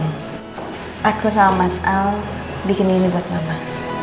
aku sama mas al bikin ini buat mama